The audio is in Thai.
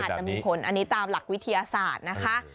จะมีผลอันนี้ตามหลักวิทยาศาสตร์นะคะ